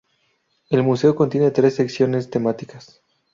El museo contiene tres secciones temáticas.